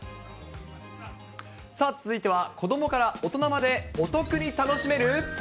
さあ、続いては、子どもから大人までお得に楽しめる。